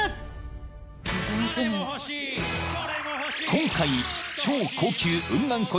［今回超高級雲南古